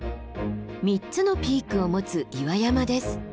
３つのピークを持つ岩山です。